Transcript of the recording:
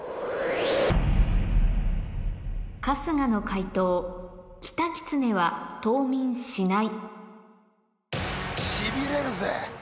春日の解答「キタキツネは冬眠しない」